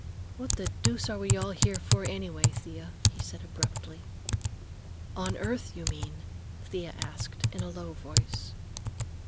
"What the deuce are we all here for anyway, Thea?" he said abruptly. "On earth, you mean?" Thea asked in a low voice.